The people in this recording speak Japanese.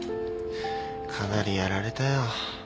かなりやられたよ。